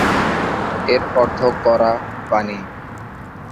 এর অর্থ কড়া পানি।